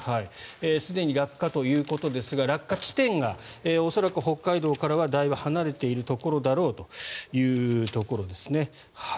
すでに落下ということですが落下地点が恐らく北海道からはだいぶ離れているところだろうというところですね。